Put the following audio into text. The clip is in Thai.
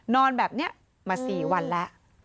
นอนแบบนี้มา๔วันแล้ว